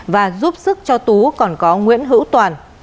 và giúp sức cho tú còn có nguyễn hữu toàn